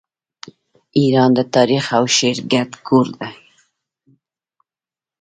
ایران د تاریخ او شعر ګډ کور دی.